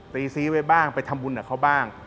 ตีซีไว้บ้างไปทำบุญกับเขาบ้าง